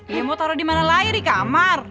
ya mau taruh dimana lahir di kamar